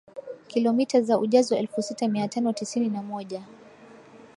kilomita za ujazo elfusita miatano tisini na moja